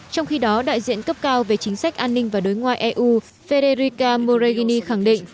trong khi đó đại diện cấp cao về chính sách an ninh và đối ngoại eu federica moregini khẳng định